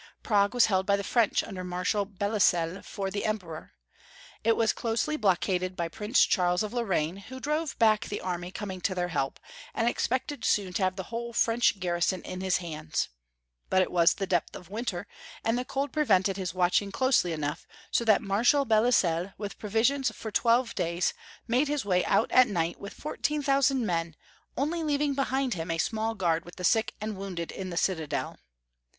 Prague was held by the French under Marshal Belleisle for the Emperor. It was closely block aded by Prince Charles of Lorraine, who drove back the army coming to their help, and expected soon to have the whole French garrison in his hands; but it was the depth of winter, and the cold prevented his watching closely enough, so that Marshal Belleisle, with provisions for twelve days, made his way out at night with 14,000 men, only leaving behind him a small guard with the sick and wounded in the citadel.